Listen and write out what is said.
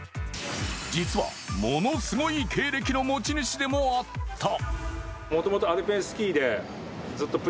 実は、ものすごい経歴の持ち主でもあった。